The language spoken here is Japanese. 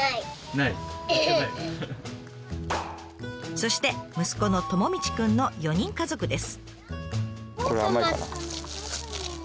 そして息子のともみちくんの４人家族です。